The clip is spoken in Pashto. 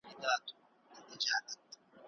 تر څو هغه له ګډ ژوند سره عادت سي.